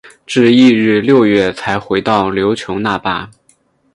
至翌年六月才回到琉球那霸。